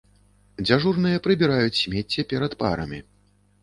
Дзяжурныя прыбіраюць смецце перад парамі.